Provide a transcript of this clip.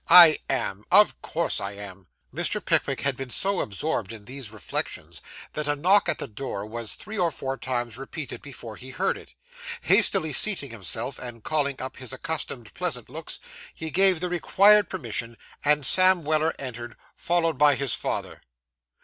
I am. Of course I am.' Mr. Pickwick had been so absorbed in these reflections, that a knock at the door was three or four times repeated before he heard it. Hastily seating himself, and calling up his accustomed pleasant looks, he gave the required permission, and Sam Weller entered, followed by his father.